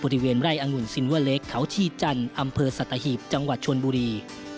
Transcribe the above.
บริเวณไร่อังุ่นซินเวอร์เล็กเขาชีจันทร์อำเภอสัตหีบจังหวัดชนบุรี